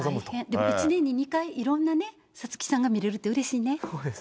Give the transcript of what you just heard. でも１年に２回、いろんな五月さんが見れるってうれしいね。